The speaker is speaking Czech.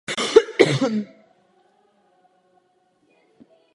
Myslím si, že efektivitu je třeba sledovat vždy.